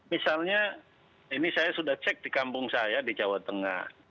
misalnya ini saya sudah cek di kampung saya di jawa tengah